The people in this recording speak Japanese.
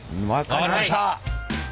分かりました。